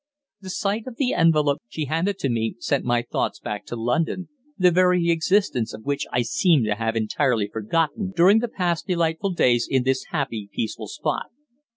The sight of the envelope she handed to me sent my thoughts back to London, the very existence of which I seemed to have entirely forgotten during the past delightful days in this happy, peaceful spot.